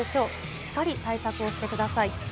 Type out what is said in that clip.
しっかり対策をしてください。